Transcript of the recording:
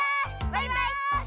バイバイ！